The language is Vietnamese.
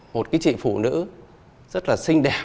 một cái chị phụ nữ rất là xinh đẹp